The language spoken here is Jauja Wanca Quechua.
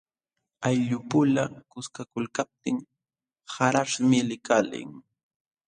Ayllupula kuskakulkaptin qarqaśhmi likalin.